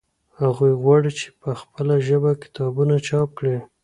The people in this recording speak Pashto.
هغوی غواړي چې په خپله ژبه کتابونه چاپ کړي.